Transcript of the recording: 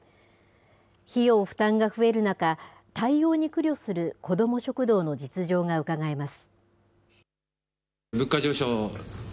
費用負担が増える中、対応に苦慮する子ども食堂の実情がうかがえます。